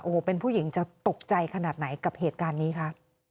โอ้โหเป็นผู้หญิงจะตกใจขนาดไหนกับเหตุการณ์นี้คะ